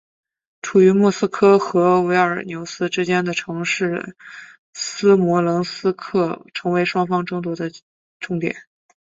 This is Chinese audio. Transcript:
处于莫斯科和维尔纽斯之间的城市斯摩棱斯克成为双方争夺重点。